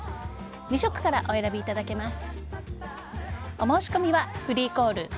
２色からお選びいただけます。